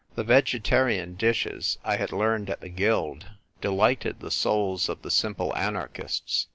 The vegetarian dishes I had learned at the Guild delighted the souls of the simple anarchists.